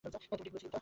তুমি ঠিক ছিলে, ইউতা।